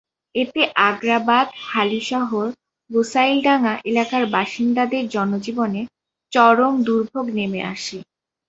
এতে আগ্রাবাদ, হালিশহর, গোসাইলডাঙা এলাকার বাসিন্দাদের জনজীবনে চরম দুর্ভোগ নেমে আসে।